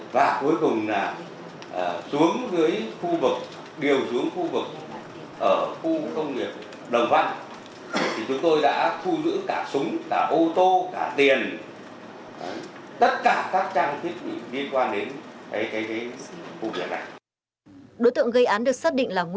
và cuối cùng xuống với khu vực điều xuống khu vực ở khu công nghiệp đồng văn